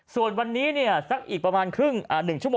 ส่วนวันนี้๑ชั่วโมงข้างหน้า